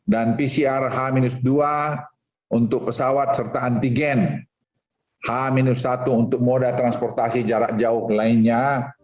dan pcr h dua untuk pesawat serta antigen h satu untuk mode transportasi jarak jauh lainnya